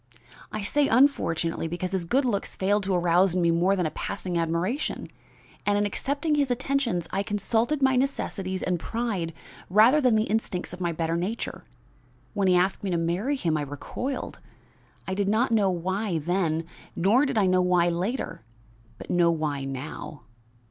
I say unfortunately, because his good looks failed to arouse in me more than a passing admiration; and in accepting his attentions, I consulted my necessities and pride rather than the instincts of my better nature. When he asked me to marry him I recoiled. I did not know why then, nor did I know why later; but know why now.